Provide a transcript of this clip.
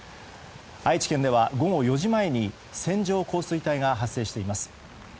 愛知県では午後４時前に線状降水帯が発生しています。